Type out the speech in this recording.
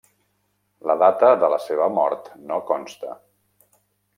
La data de la seva mort no consta.